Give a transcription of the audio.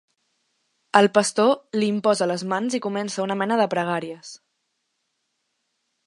El pastor li imposa les mans i comença una mena de pregàries.